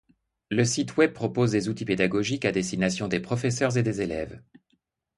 Le site Web propose des outils pédagogiques à destination des professeurs et des élèves.